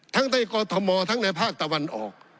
ทั้งในกอทมทั้งในภาคตะวันออก